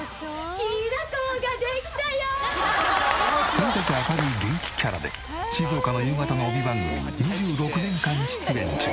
とにかく明るい元気キャラで静岡の夕方の帯番組に２６年間出演中。